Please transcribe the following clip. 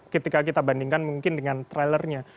ketika kita bandingkan mungkin dengan trailernya